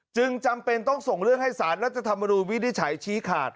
จึงจำเป็นต้องส่งเลือกให้สารรัฐธรรมนูนวิดิวิจัยชี้ขาด